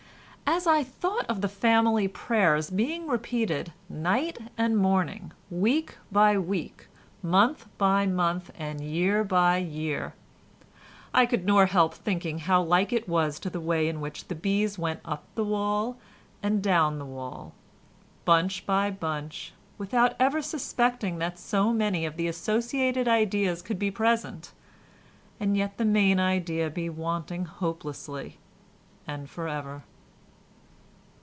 As I thought of the family prayers being repeated night and morning, week by week, month by month, and year by year, I could nor help thinking how like it was to the way in which the bees went up the wall and down the wall, bunch by bunch, without ever suspecting that so many of the associated ideas could be present, and yet the main idea be wanting hopelessly, and for ever.